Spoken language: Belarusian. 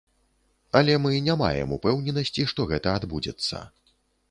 Але мы не маем упэўненасці, што гэта адбудзецца.